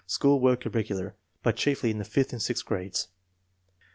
School work irregular, but chiefly in the fifth and sixth grades.